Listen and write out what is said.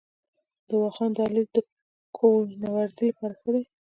د واخان دهلیز د کوه نوردۍ لپاره ښه دی؟